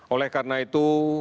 oleh karena itu